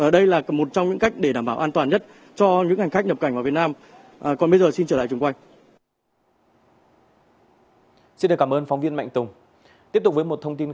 đây là một trong những cách để đảm bảo an toàn nhất